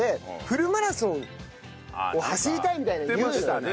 フルマラソンを走りたいみたいなのを言うのよ。